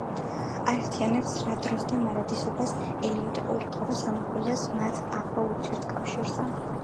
აერთიანებს რა დროს და მარადისობას, ელიოტი ყურადღებას ამახვილებს მათ ახლო ურთიერთკავშირზე.